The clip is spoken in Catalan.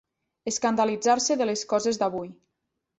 Escandalitzar-se de les coses d'avui.